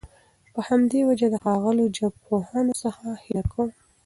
په همدي وجه د ښاغلو ژبپوهانو څخه هيله کوم